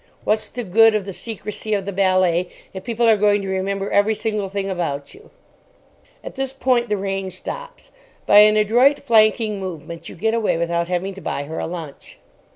What's the good of the secrecy of the ballet if people are going to remember every single thing about you? (At this point the rain stops. By an adroit flanking movement you get away without having to buy her a lunch.)